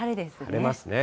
晴れますね。